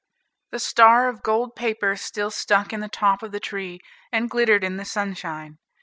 The star of gold paper still stuck in the top of the tree and glittered in the sunshine.